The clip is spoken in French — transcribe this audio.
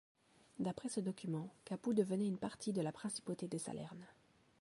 D'après ce document Capoue devenait une partie de la principauté de Salerne.